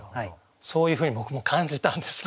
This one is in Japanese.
そういうふうに僕も感じたんです